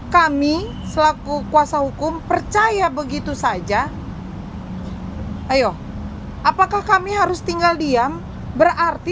kami selaku kuasa hukum percaya begitu saja ayo apakah kami harus tinggal diam berarti